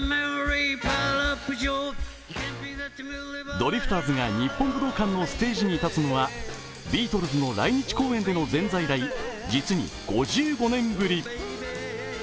ドリフターズが日本武道館のステージに立つのはビートルズの来日公演での前座以来、実に５５年ぶり。